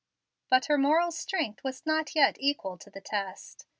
But her moral strength was not yet equal to the test.